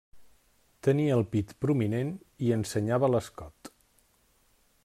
Tenia el pit prominent i ensenyava l'escot.